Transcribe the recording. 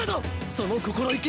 その心意気！